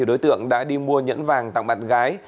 đối tượng đã đi mua nhẫn vàng tặng bạn gái